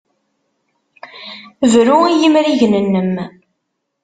Bru i yimrigen-nnem!